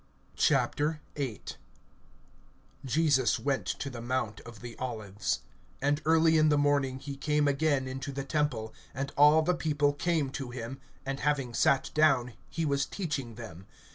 VIII. JESUS went to the mount of the Olives. (2)And early in the morning he came again into the temple, and all the people came to him; and having sat down, he was teaching them.